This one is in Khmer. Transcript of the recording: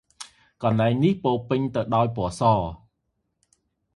កន្លែងនេះពោរពេញទៅដោយពណ៌ស ។